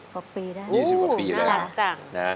๒๐กว่าปีเลยน่ารักจัง